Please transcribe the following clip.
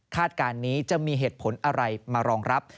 การนี้จะมีเหตุผลอะไรมารองรับ